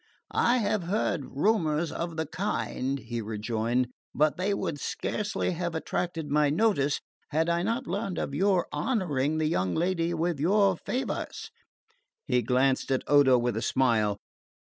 "I have heard rumours of the kind," he rejoined; "but they would scarcely have attracted my notice had I not learned of your honouring the young lady with your favours." He glanced at Odo with a smile.